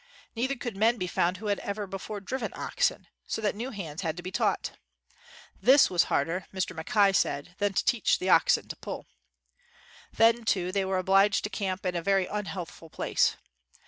Neither could men be found who had ever before driven oxen, so that new hands had to be taught. This was harder, Mr. Mackay said, than to teach the oxen to pull. Then, too, they were obliged to camp in a very unhealthful place.